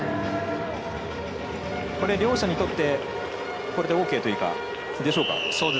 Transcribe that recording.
両者にとってこれでＯＫでしょうか。